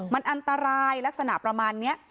มันอันตรายลักษณะประมาณนี้